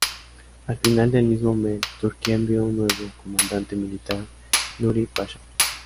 Al final del mismo mes, Turquía envió un nuevo comandante militar, Nuri Pasha.